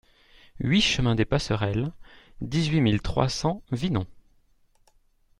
huit chemin des Passerelles, dix-huit mille trois cents Vinon